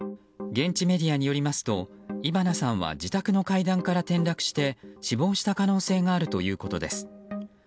現地メディアによりますとイバナさんは自宅の階段から転落して死亡した可能性があるということです。